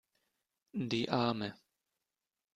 Die Arme!